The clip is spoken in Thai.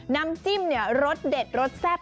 น้ำจิ้มรสเด็ดรสแซ่บ